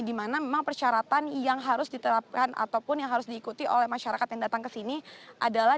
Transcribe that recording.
di mana memang persyaratan yang harus diterapkan ataupun yang harus diikuti oleh masyarakat yang datang ke sini adalah